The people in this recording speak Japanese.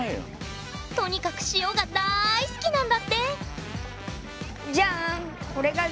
とにかく「塩」がだい好きなんだって。